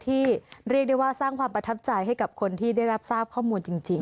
เรียกได้ว่าสร้างความประทับใจให้กับคนที่ได้รับทราบข้อมูลจริง